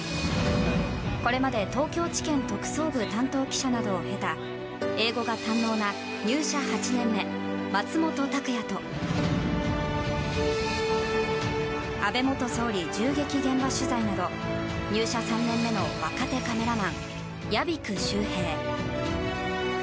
これまで、東京地検特捜部担当記者などを経た英語が堪能な入社８年目、松本拓也と安倍元総理銃撃現場取材など入社３年目の若手カメラマン屋比久就平。